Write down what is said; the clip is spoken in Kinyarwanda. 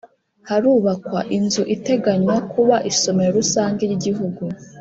Harubakwa inzu iteganywa kuba isomero rusange ry Igihugu